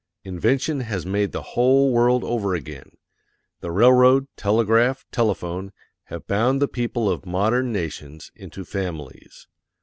_ INVENTION has made the whole world over again. The railroad, telegraph, telephone have bound the people of MODERN NATIONS into FAMILIES.